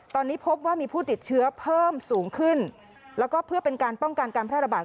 ตอนนี้พบว่ามีผู้ติดเชื้อเพิ่มสูงขึ้นแล้วก็เพื่อเป็นการป้องกันการแพร่ระบาด